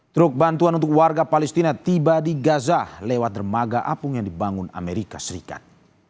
truk bantuan untuk warga palestina tiba di gaza lewat dermaga apung yang dibangun amerika serikat